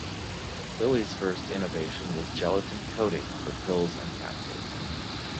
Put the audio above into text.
Lilly's first innovation was gelatin-coating for pills and capsules.